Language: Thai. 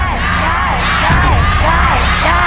ได้ได้ได้